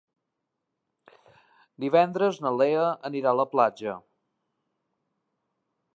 Divendres na Lea anirà a la platja.